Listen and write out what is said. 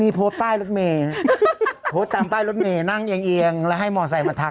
นี่โพสต์พลาดลงรถเมย์เตรียมตามรถเมย์นั่งเอี้ยงแล้วให้มอเซ็กซ์มาทัก